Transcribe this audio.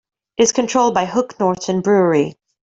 It is controlled by the Hook Norton Brewery.